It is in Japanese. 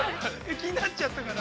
◆気になっちゃったから。